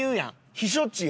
避暑地や。